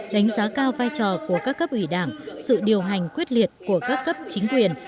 đánh giá cao vai trò của các cấp ủy đảng sự điều hành quyết liệt của các cấp chính quyền